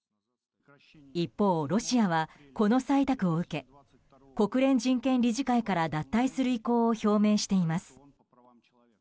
一方、ロシアはこの採択を受け国連人権理事会から脱退する意向を表明しています。